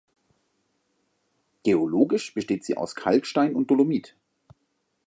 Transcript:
Geologisch besteht sie aus Kalkstein und Dolomit.